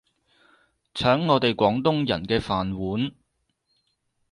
搶我哋廣東人嘅飯碗